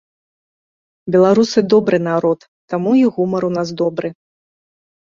Беларусы добры народ, таму і гумар у нас добры.